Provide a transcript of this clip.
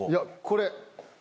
これ。